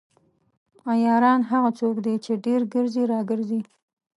عیاران هغه څوک دي چې ډیر ګرځي راګرځي.